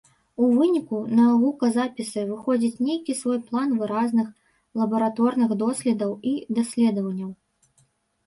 У выніку на гуказапісы выходзіць нейкі свой план выразных лабараторных доследаў і даследаванняў.